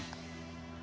kalau ditilang nggak